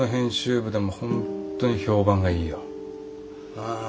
ああ。